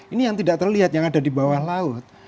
ini yang tidak terlihat yang ada di bawah laut